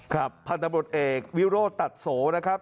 ครับพันธบุรตเอกวิโรตัดโสนะครับ